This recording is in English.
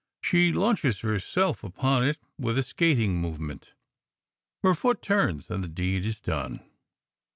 She launches herself upon it, with a skating movement. Her foot turns, and the deed is done.